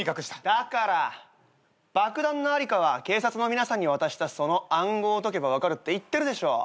だから爆弾の在りかは警察の皆さんに渡したその暗号を解けば分かるって言ってるでしょ。